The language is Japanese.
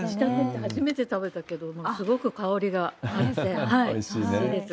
初めて食べたけど、すごく香りがあって、おいしいです。